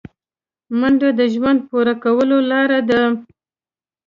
منډه د ژوند پوره کولو لاره ده